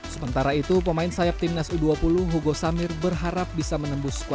sementara itu pemain sayap timnas u dua puluh hugo samir berharap bisa menembus